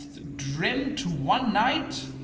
dreamt one night ?